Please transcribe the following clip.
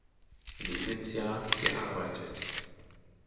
Lebensjahr gearbeitet.